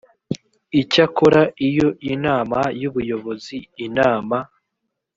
icyakora iyo inama y ubuyobozi inama